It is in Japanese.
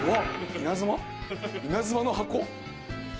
稲妻の箱？